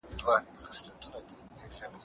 تاسي ولي داسي کارونه کوئ؟